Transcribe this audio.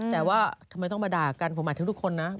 แต่ว่าทำไมต้องมาด่ากันผมหมายถึงทุกคนนะ